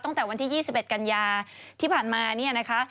ตั้งแต่วันที่๒๑กันยาที่ผ่านมา